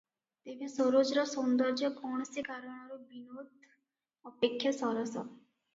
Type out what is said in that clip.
ତେବେ ସରୋଜର ସୌନ୍ଦର୍ଯ୍ୟ କୌଣସି କାରଣରୁ ବିନୋଦ ଅପେକ୍ଷା ସରସ ।